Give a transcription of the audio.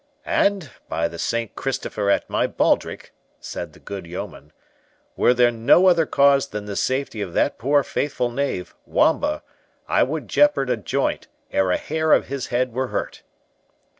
"And, by the Saint Christopher at my baldric," said the good yeoman, "were there no other cause than the safety of that poor faithful knave, Wamba, I would jeopard a joint ere a hair of his head were hurt."